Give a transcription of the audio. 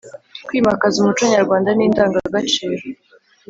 kwimakaza umuco nyarwanda n’indangagaciro